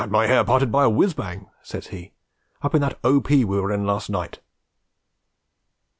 'Had my hair parted by a whizz bang,' says he, 'up in that O.P. we were in last night.'